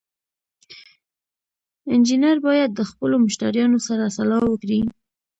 انجینر باید له خپلو مشتریانو سره سلا وکړي.